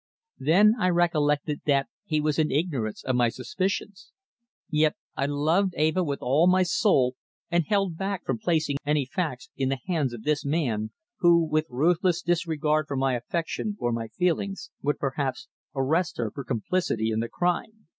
Then I recollected that he was in ignorance of my suspicions. Yet I loved Eva with all my soul and held back from placing any facts in the hands of this man who, with ruthless disregard for my affection or my feelings, would perhaps arrest her for complicity in the crime.